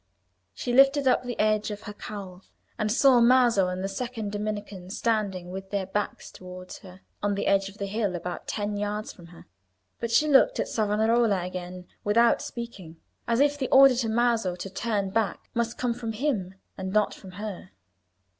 She lifted up the edge of her cowl, and saw Maso and the second Dominican standing with their backs towards her on the edge of the hill about ten yards from her; but she looked at Savonarola again without speaking, as if the order to Maso to turn back must come from him and not from her.